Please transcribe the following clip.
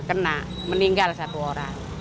kena meninggal satu orang